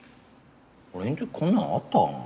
俺の時こんなのあったかな？